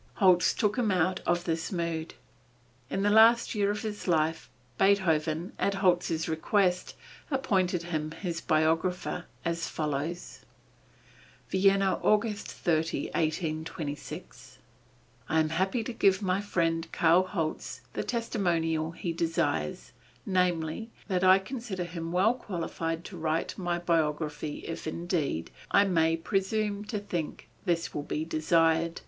Holz took him out of this mood. In the last year of his life Beethoven, at Holz's request appointed him his biographer as follows: VIENNA, Aug. 30, 1826. I am happy to give my friend, Karl Holz, the testimonial he desires, namely, that I consider him well qualified to write my biography if indeed, I may presume to think this will be desired.